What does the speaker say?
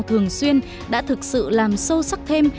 thường xuyên đã thực sự làm sâu sắc thêm